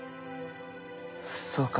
そうか。